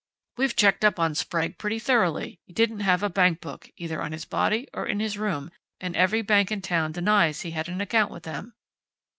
We've checked up on Sprague pretty thoroughly. He didn't have a bank book, either on his body or in his room, and every bank in town denies he had an account with them."